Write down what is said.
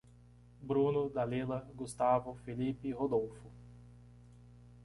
Bruno, Dalila, Gustavo, Felipe e Rodolfo